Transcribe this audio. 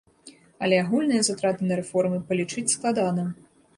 Але агульныя затраты на рэформы палічыць складана.